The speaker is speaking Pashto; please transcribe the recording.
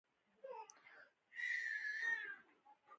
شودران خدمتګاران وو.